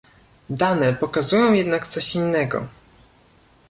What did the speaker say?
Dane pokazują jednak coś innego